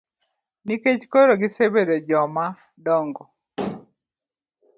Nikech koro gisebedo joma dongo.